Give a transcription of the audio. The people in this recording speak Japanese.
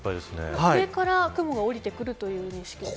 上から雲が降りてくるという認識ですか。